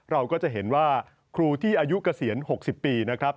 เราก็จะเห็นว่าครูที่อายุเกษียณ๖๐ปีนะครับ